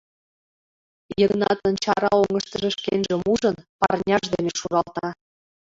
— Йыгнатын чара оҥыштыжо шкенжым ужын, парняж дене шуралта.